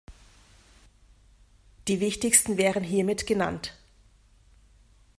Die wichtigsten wären hiermit genannt.